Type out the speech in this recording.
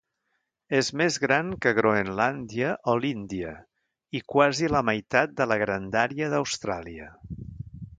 És més gran que Groenlàndia o l'Índia, i quasi la meitat de la grandària d'Austràlia.